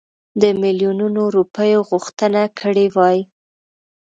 د میلیونونو روپیو غوښتنه کړې وای.